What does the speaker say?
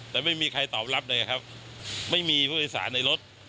แต่ไม่มีใครตอบรับเลยครับไม่มีผู้โดยสารในรถ